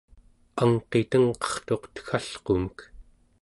angqitengqertuq teggalqumek